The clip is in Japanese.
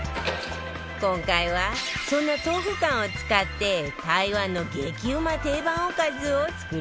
今回はそんな豆腐干を使って台湾の激うま定番おかずを作るわよ